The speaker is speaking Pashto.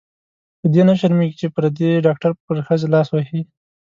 په دې نه شرمېږې چې پردې ډاکټر پر ښځې لاس وهي.